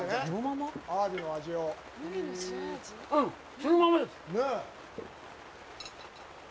そのままです。